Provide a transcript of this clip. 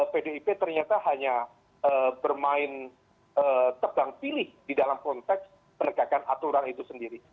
pdip ternyata hanya bermain tebang pilih di dalam konteks penegakan aturan itu sendiri